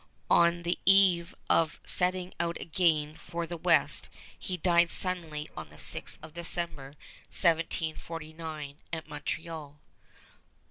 On the eve of setting out again for the west he died suddenly on the 6th of December, 1749, at Montreal.